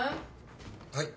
はい。